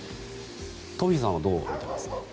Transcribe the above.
東輝さんはどう見ていますか？